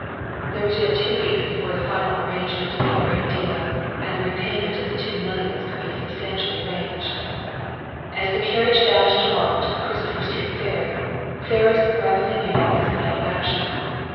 There was yet two weeks before the final arrangement of the "great deal," and the repayment of the two millions could be substantially arranged. As the carriage dashed along to the Christopher Street Ferry, Ferris rapidly made up his plan of action.